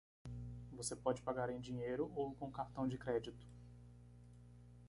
Você pode pagar em dinheiro ou com cartão de crédito.